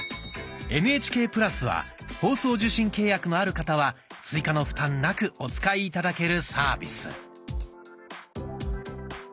「ＮＨＫプラス」は放送受信契約のある方は追加の負担なくお使い頂けるサービス。